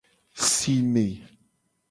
Sime.